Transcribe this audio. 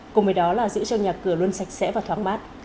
cùng với đó là giữ cho nhà cửa luôn sạch sẽ và thoáng mát